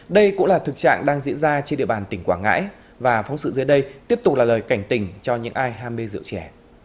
đây cũng là thực trạng đang diễn ra trên địa bàn tỉnh quảng ngãi và phóng sự dưới đây tiếp tục là lời cảnh tình cho những ai ham mê rượu trẻ